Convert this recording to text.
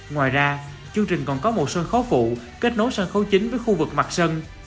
ngoài ra chương trình còn có một sân khấu phụ kết nối sân khấu chính với khu vực mặt sân